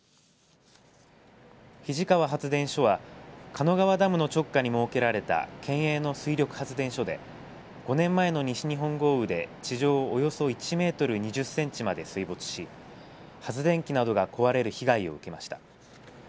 肱川発電所は鹿野川ダムの直下に設けられた県営の水力発電所で５年前の西日本豪雨で地上およそ１メートル２０センチまで水没し発電機などが壊れる被害を受けました。